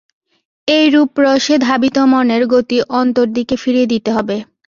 এই রূপ-রসে ধাবিত মনের গতি অন্তর্দিকে ফিরিয়ে দিতে হবে।